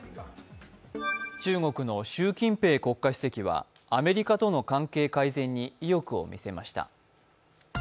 中国の習近平国家主席はアメリカとの関係改善に意欲を見せました。